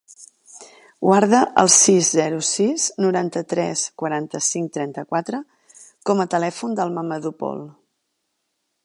Guarda el sis, zero, sis, noranta-tres, quaranta-cinc, trenta-quatre com a telèfon del Mahamadou Paul.